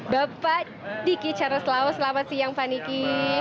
bapak diki charuslao selamat siang pak diki